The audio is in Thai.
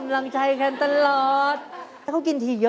แอบกินด้วย